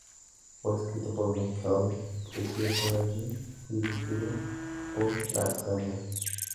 Fue escrito por Mick Kelly, producido por Al Jean, y dirigido por Lance Kramer.